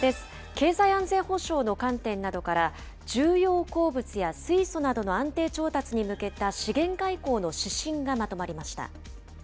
経済安全保障の観点などから、重要鉱物や水素などの安定調達に向けた資源外交の指針がまとまり